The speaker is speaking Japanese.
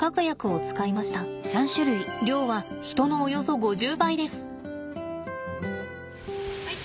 量は人のおよそ５０倍です。